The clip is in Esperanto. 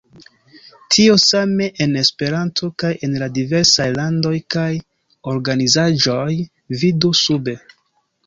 Tio same en Esperanto kaj en la diversaj landoj kaj organizaĵoj, vidu sube.